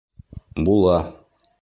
Була